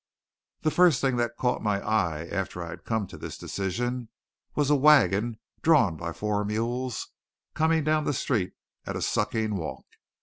The first thing that caught my eye after I had come to this decision was a wagon drawn by four mules coming down the street at a sucking walk.